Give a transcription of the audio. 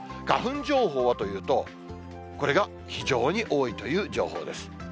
花粉情報はというと、これが非常に多いという情報です。